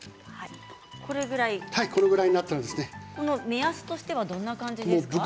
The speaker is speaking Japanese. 目安としてはどのぐらいですか？